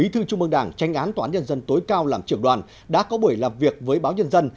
trung mương đảng tranh án toán nhân dân tối cao làm trưởng đoàn đã có buổi làm việc với báo nhân dân